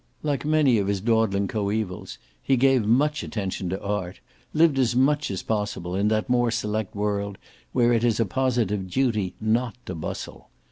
Like many of his dawdling coaevals he gave much attention to art, lived as much as possible in that more select world where it is a positive duty not to bustle.